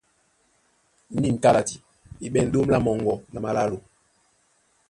Nîn kálati e ɓɛ̂n ɗóm lá moŋgo na málálo.